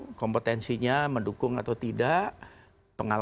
sini mendendammingi adjust nah ke this dan dibagi rata saja pek lain jadi sedangkan